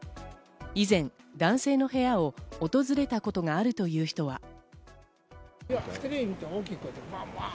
以前、男性の部屋を訪れたことがあるという人は。